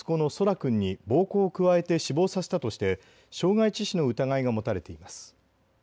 君に暴行を加えて死亡させたとして傷害致死の疑いが持たれています。